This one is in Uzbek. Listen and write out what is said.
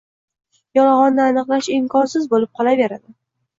yolg‘onni aniqlash imkonsiz bo‘lib qolaveradi.